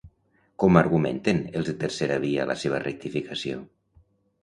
Com argumenten els de Terceravia la seva rectificació?